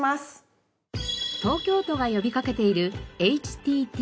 東京都が呼びかけている「ＨＴＴ」。